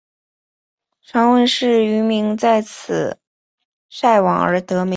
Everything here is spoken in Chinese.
传闻是渔民在此晒网而得名。